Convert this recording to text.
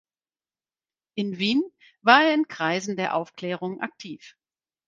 In Wien war er in Kreisen der Aufklärung aktiv.